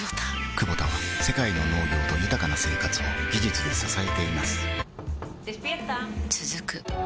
クボタは世界の農業と豊かな生活を技術で支えています起きて。